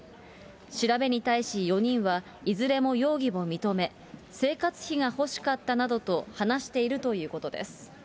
調べに対し４人は、いずれも容疑を認め、生活費が欲しかったなどと話しているということです。